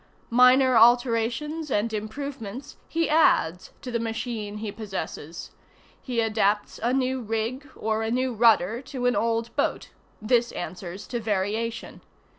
Minor alterations and improvements he adds to the machine he possesses: he adapts a new rig or a new rudder to an old boat: this answers to variation.